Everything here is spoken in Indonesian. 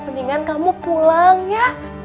mendingan kamu pulang ya